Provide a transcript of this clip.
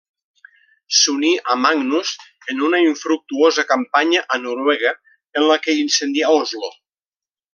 S'uní a Magnus en una infructuosa campanya a Noruega, en la que incendià Oslo.